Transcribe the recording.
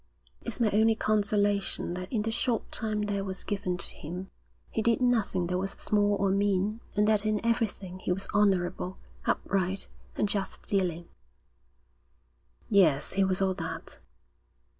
'It's my only consolation that in the short time there was given to him, he did nothing that was small or mean, and that in everything he was honourable, upright, and just dealing.' 'Yes, he was all that.'